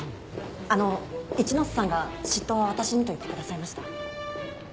あの一ノ瀬さんが執刀は私にと言ってくださいました。